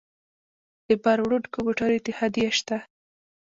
د بار وړونکو موټرو اتحادیې شته